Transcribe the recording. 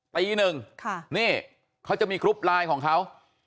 ตีหนึ่งนี่เขาจะมีกรุ๊ปไลน์ของเขา